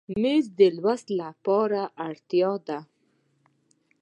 مېز د لوست لپاره اړتیا ده.